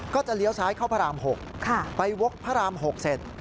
จะเลี้ยวซ้ายเข้าพระราม๖ไปวกพระราม๖เสร็จ